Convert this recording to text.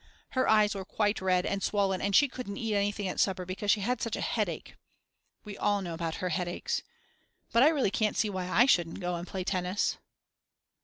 Her eyes were quite red and swollen and she couldn't eat anything at supper because she had such a headache!! We know all about her headaches. But I really can't see why I shouldn't go and play tennis.